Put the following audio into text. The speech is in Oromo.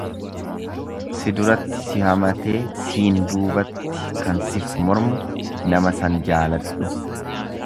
Si duratti si hamatee siin duubatti kan sif mormu, nama san jaaladhu.